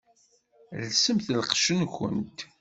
Lsemt lqecc-nkent!